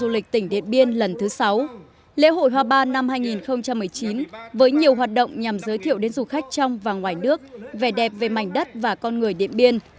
lễ hội hoa ban năm hai nghìn một mươi chín với nhiều hoạt động nhằm giới thiệu đến du khách trong và ngoài nước vẻ đẹp về mảnh đất và con người điện biên